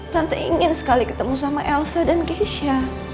tante ingin sekali ketemu sama elsa dan keisha